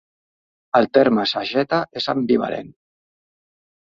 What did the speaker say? El terme sageta és ambivalent.